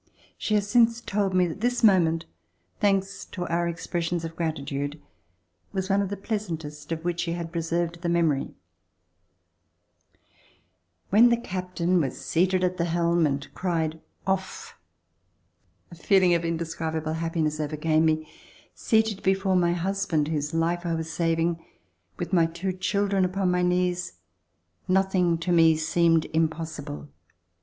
She has since told me that this moment, thanks to our expressions of gratitude, was one of the pleasantest of which she had preserved the memory. RECOLLECTIONS OF THE REVOLUTION When the captain was seated at the helm and cried "Off!" a feehng of indescribable happiness overcame me. Seated before my husband whose life I was sav ing, with my two children upon my knees, nothing to me seemed impossible.